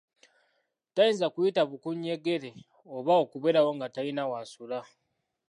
Tayinza kuyita bukuunyegere oba okubeerawo nga talina w’asula.